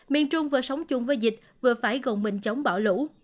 miền trung vừa sống chung với dịch vừa phải gồng mình chống bỏ lũ